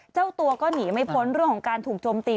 เจ้าตัวก็หนีไม่พ้นเรื่องของการถูกโจมตี